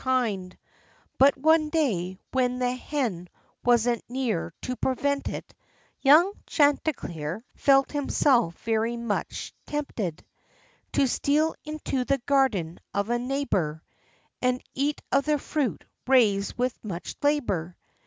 3 * 30 THE LIFE AND ADVENTURES But one day, when the hen wasn't near to prevent it, Young Chanticleer felt himself very much tempted To steal into the garden of a neighbor, And eat of the fruit, raised with much labor.